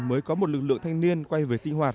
mới có một lực lượng thanh niên quay về sinh hoạt